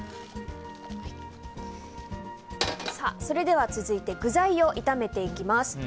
それでは続いて具材を炒めていきます。